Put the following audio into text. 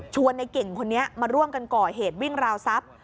ในเก่งคนนี้มาร่วมกันก่อเหตุวิ่งราวทรัพย์